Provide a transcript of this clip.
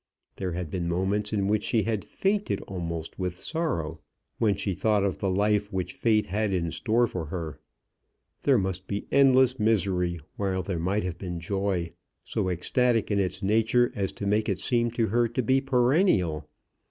There had been moments in which she had fainted almost with sorrow when she thought of the life which fate had in store for her. There must be endless misery, while there might have been joy, so ecstatic in its nature as to make it seem to her to be perennial.